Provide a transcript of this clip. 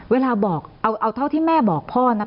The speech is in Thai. เวลาบอกเอาเท่าที่แม่บอกพ่อนะ